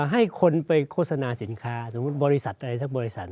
ให้คนไปโฆษณาสินค้าสมมุติบริษัทอะไรสักบริษัท